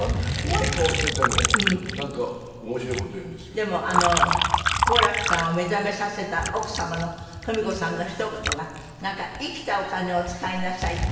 でも好楽さんを目覚めさせた奥様のとみ子さんのひと言が「生きたお金を使いなさい」って？